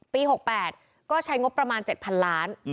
๖๘ก็ใช้งบประมาณ๗๐๐ล้าน